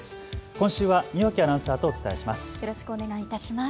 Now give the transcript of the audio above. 今週は庭木アナウンサーとお伝えします。